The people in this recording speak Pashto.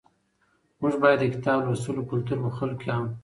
موږ باید د کتاب لوستلو کلتور په خلکو کې عام کړو.